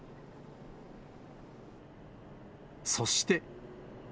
そして。